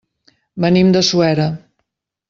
Venim de Suera.